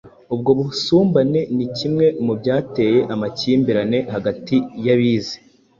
Ubwo busumbane ni kimwe mu byateye amakimbirane hagati y'abize